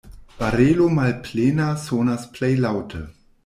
Barelo malplena sonas plej laŭte.